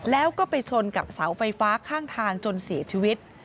แล้วก็ไปชนกับเสาไฟฟ้าข้างทางจนเสียชีวิต